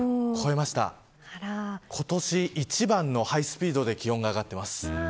今年一番のハイスピードで気温が上がっています。